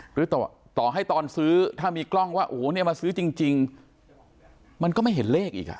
หรือต่อให้ตอนซื้อถ้ามีกล้องว่าโอ้โหเนี่ยมาซื้อจริงมันก็ไม่เห็นเลขอีกอ่ะ